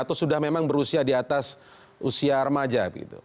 atau sudah memang berusia di atas usia remaja